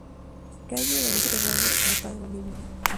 Calle Evaristo Valle, La Paz, Bolivia.